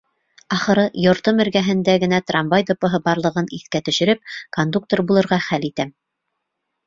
Ахыры, йортом эргәһендә генә трамвай депоһы барлығын иҫкә төшөрөп, кондуктор булырға хәл итәм.